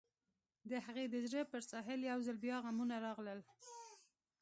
د هغې د زړه پر ساحل يو ځل بيا غمونه راغلل.